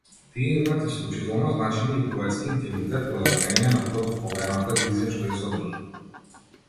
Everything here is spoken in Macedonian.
Тие имаат исклучително значење и поетски интегритет благодарение на продуховената визија што ја содржат.